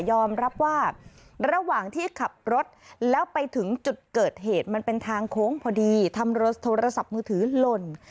อมรับว่าระหว่างที่ขับรถแล้วไปถึงจุดเกิดเหตุมันเป็นทางโค้งพอดีทำโทรศัพท์มือถือหล่น